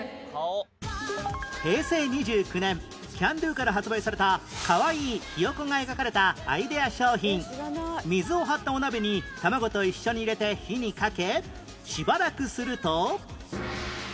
平成２９年キャンドゥから発売されたかわいいひよこが描かれたアイデア商品水を張ったお鍋に卵と一緒に入れて火にかけしばらくすると